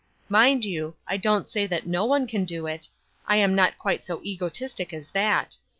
Mind you, I don't say that no one can do it; I am not quite so egotistic as that.